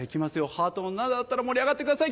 ハートの７だったら盛り上がってください。